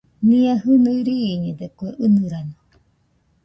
Nia jinui riiñede kue ɨnɨrano